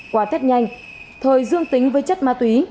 qua tết nhanh thời dương tính với chất ma túy